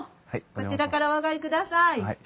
こちらからお上がりください。